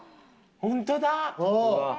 本当だ！